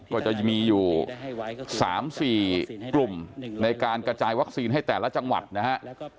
ก็จะมีอยู่๓๔กลุ่มในการกระจายวัคซีนให้แต่ละจังหวัดนะฮะ